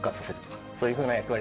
そういうふうな役割として。